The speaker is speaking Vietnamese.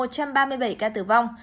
một trăm ba mươi bảy ca tử vong